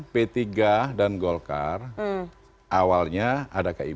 p tiga dan golkar awalnya ada kib